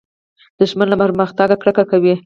دښمن له پرمختګه کرکه کوي